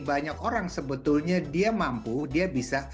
banyak orang sebetulnya dia mampu dia bisa